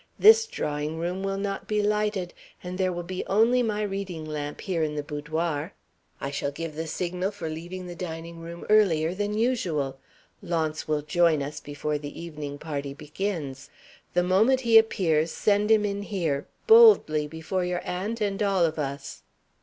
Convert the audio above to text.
This drawing room will not be lighted, and there will be only my reading lamp here in the boudoir. I shall give the signal for leaving the dining room earlier than usual. Launce will join us before the evening party begins. The moment he appears, send him in here boldly before your aunt and all of us."